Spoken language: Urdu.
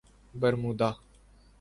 برمودا